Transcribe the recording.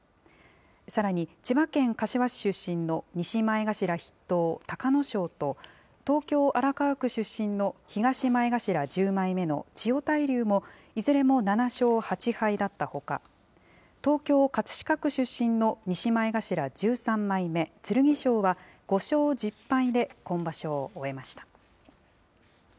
さらに千葉県柏市出身の西前頭筆頭・隆の勝と東京・荒川区出身の東前頭１０枚目の千代大龍も、いずれも７勝８敗だったほか、東京・葛飾区出身の西前頭１３枚目・剣翔は５勝１０敗で今場所を終えました。